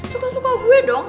suka suka gue dong